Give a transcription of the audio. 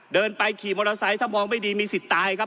เดินไปขี่มอเตอร์ไซค์ถ้ามองไม่ดีมีสิทธิ์ตายครับ